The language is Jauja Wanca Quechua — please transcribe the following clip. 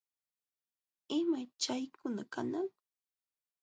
¿Imaćh chaykuna kanman?